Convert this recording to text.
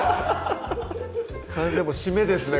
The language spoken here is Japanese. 完全締めですね